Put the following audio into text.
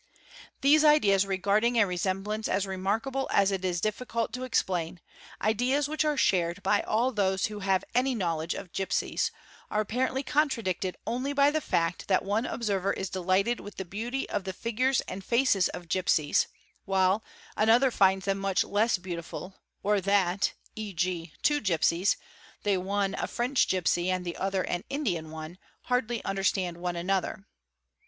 __ These ideas regarding a resemblance as remarkable as it is difficult to explain, ideas which are shared by all those who have any knowledge of gipsies, are apparently contradicted only by the fact that one observer is delighted with the beauty of the figures and faces of gipsies, while another finds them much less beautiful, or that; e.g., two gipsies, the one a French gipsy and the other an Indian one, hardly understand one another.